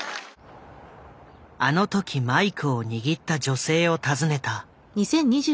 あの時マイクを握った女性を訪ねた。